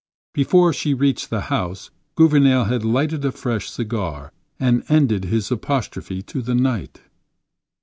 Before she reached the house, Gouvernail had lighted a fresh cigar and ended his apostrophe to the night.